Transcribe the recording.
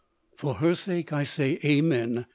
" For her sake, I say Amen !"